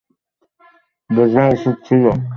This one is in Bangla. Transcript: বোঝা উচিত ছিল।